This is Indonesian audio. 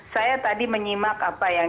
saya tadi menyimak apa yang